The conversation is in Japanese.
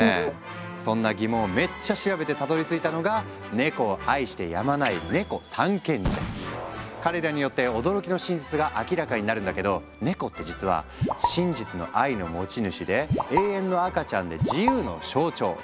そんな疑問をめっちゃ調べてたどりついたのがネコを愛してやまない彼らによって驚きの真実が明らかになるんだけどネコって実は「真実の愛の持ち主」で「永遠の赤ちゃん」で「自由の象徴」！